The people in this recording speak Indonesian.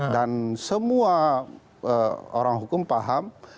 dan semua orang hukum paham